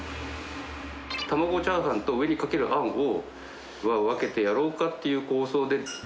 卵チャーハンと、上にかけるあんを分けてやろうかっていう構想で。